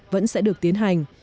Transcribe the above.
vẫn sẽ được tiến hành